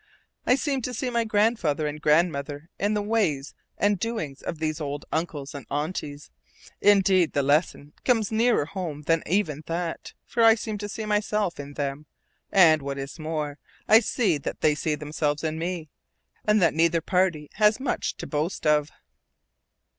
I seem to see my grandfather and grandmother in the ways and doings of these old "uncles" and "aunties;" indeed, the lesson comes nearer home than even that, for I seem to see myself in them, and, what is more, I see that they see themselves in me, and that neither party has much to boast of.